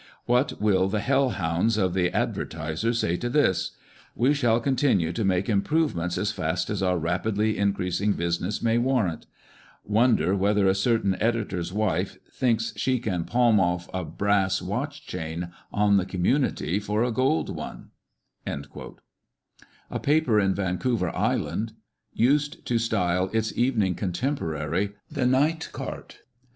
What will the Hell hounds of the Ad vertiser say to this ? We shall continue to make improvements as fast as our rapidly in creasing business may warrant. Wonder whether a certain editor's wife thinks she can palm off * Muleteer, who " packs" or carries goods to the mines or elsewhere. a brass watch chain on the community for a gold one." A paper in Vancouver Island used to style its evening contemporary " the night cart."